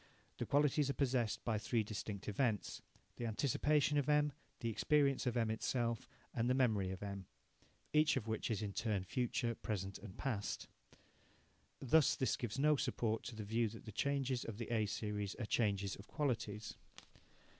The qualities are possessed by three distinct events the anticipation of M, the experience M itself, and the memory of M, each of which is in turn future, present, and past. Thus this gives no support to the view that the changes of the A series are changes of qualities.